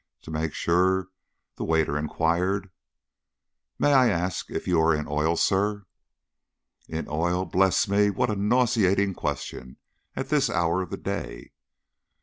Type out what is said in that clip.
To make sure, the waiter inquired: "May I ask if you are in oil, sir?" "In oil? Bless me, what a nauseating question at this hour of the day!"